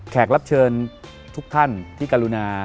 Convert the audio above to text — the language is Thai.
รับเชิญทุกท่านที่กรุณา